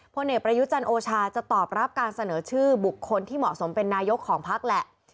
พลเอกประยุจันทร์โอชาจะตอบรับการเสนอชื่อบุคคลที่เหมาะสมเป็นนายกของพักแหละ